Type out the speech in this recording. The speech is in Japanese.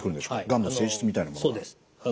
がんの性質みたいなものは。